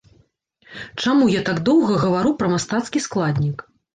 Чаму я так доўга гавару пра мастацкі складнік?